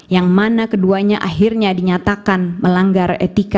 yang mana keduanya akhirnya dinyatakan melanggar etika